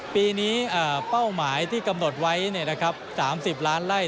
ปีนี้เป้าหมายที่กำหนดไว้๓๐ล้านไล่